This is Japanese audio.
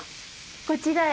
こちらへ。